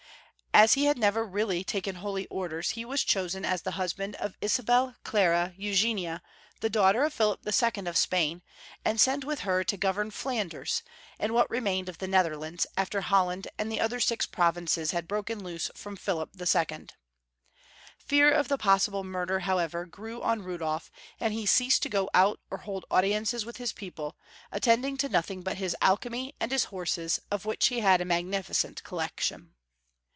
As he had never really taken Holy Orders, he Avas chosen as the husband of Isabel Clara Eugenia, the daughter of PkUip II. of Spain, and sent Avith her to govern Flanders, and what remained of the Netherlands after Holland and the other six provinces had broken loose from Pliilip II. Fear of the possible murder, however, grew on Rudolf, and he ceased to go out or hold audiences Avith his people, attend Rudolf n. 317 ing to nothing but his alchemy and his horses, of which he had a magnificent collection.